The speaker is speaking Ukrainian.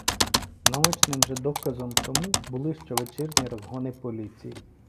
Наочним же доказом тому були щовечірні розгони поліції.